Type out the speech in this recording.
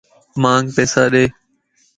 مانک پيسا ڏي